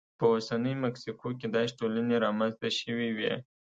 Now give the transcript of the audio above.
په اوسنۍ مکسیکو کې داسې ټولنې رامنځته شوې وې.